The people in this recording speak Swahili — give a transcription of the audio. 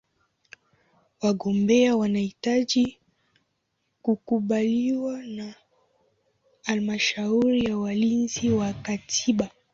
Wagombea wanahitaji kukubaliwa na Halmashauri ya Walinzi wa Katiba.